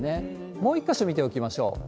もう一か所見ておきましょう。